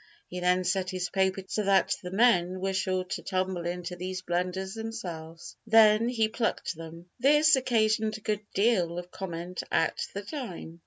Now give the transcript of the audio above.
He then set his paper so that the men were sure to tumble into these blunders themselves; then he plucked them. This occasioned a good deal of comment at the time.